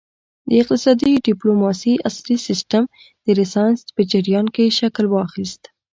د اقتصادي ډیپلوماسي عصري سیسټم د رینسانس په جریان کې شکل واخیست